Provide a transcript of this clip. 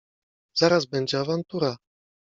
Zaraz będzie awantura…